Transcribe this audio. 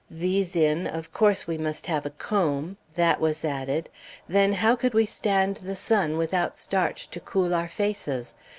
These in, of course we must have a comb that was added then how could we stand the sun without starch to cool our faces?